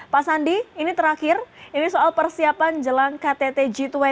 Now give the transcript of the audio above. pak sandi ini terakhir ini soal persiapan jelang ktt g dua puluh